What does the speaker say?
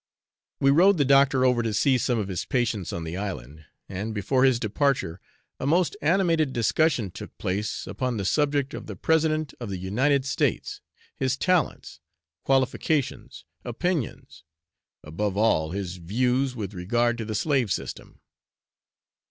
We rowed the doctor over to see some of his patients on the island, and before his departure a most animated discussion took place upon the subject of the President of the United States, his talents, qualifications, opinions, above all, his views with regard to the slave system.